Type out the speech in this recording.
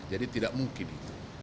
jadi tidak mungkin itu